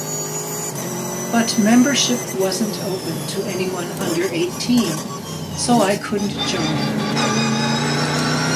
But membership wasn't open to anyone under eighteen, so I couldn't join.